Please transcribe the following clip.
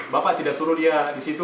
bapak tidak suruh dia di situ